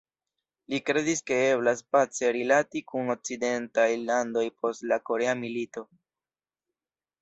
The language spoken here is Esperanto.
Li kredis ke eblas pace rilati kun okcidentaj landoj post la Korea milito.